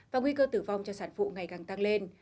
và nguy cơ tử vong cho sản phụ ngày càng tăng lên